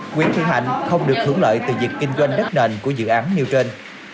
nguyễn thị hạnh không được thưởng lợi từ việc kinh doanh đất nền của dự án điều trên